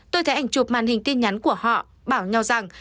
tôi thấy ảnh chụp màn hình tin nhắn của họ bảo nhau rằng